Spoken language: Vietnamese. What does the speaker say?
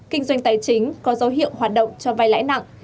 kinh doanh tài chính có dấu hiệu hoạt động cho vai lãi nặng